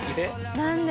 何で？